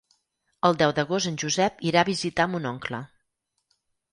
El deu d'agost en Josep irà a visitar mon oncle.